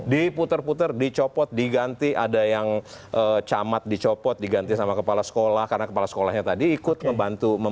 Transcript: diputar putar dicopot diganti ada yang camat dicopot diganti sama kepala sekolah karena kepala sekolahnya tadi ikut membantu